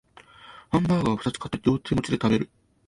ハンバーガーをふたつ買って両手持ちで食べる